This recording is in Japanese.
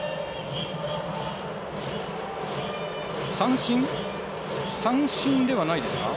三振ではないですか？